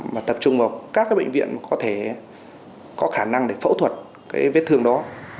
và tập trung vào các bệnh viện có thể có khả năng để phẫu thuật vết thương đó